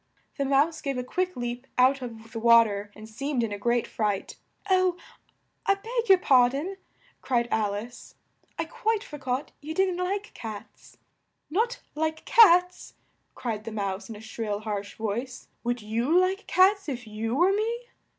The Mouse gave a quick leap out of the wa ter, and seemed in a great fright, "Oh, I beg your par don," cried Al ice. "I quite for got you didn't like cats." "Not like cats!" cried the Mouse in a shrill, harsh voice. "Would you like cats if you were me?"